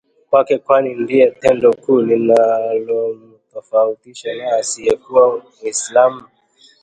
kwake kwani ndilo tendo kuu linalomtofautisha na asiyekuwa Muislamu